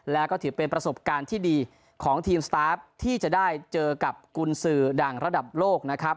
แล้วก็ถือเป็นประสบการณ์ที่ดีของทีมสตาฟที่จะได้เจอกับกุญสือดังระดับโลกนะครับ